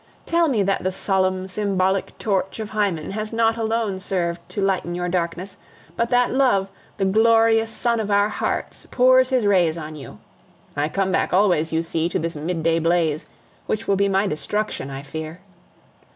Tell me that the solemn, symbolic torch of Hymen has not alone served to lighten your darkness, but that love, the glorious sun of our hearts, pours his rays on you. I come back always, you see, to this midday blaze, which will be my destruction, I fear.